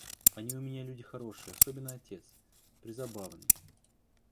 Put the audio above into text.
Они у меня люди хорошие, особенно отец: презабавный.